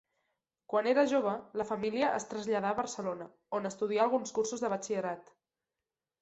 Quan era jove, la família es traslladà a Barcelona, on estudià alguns cursos de batxillerat.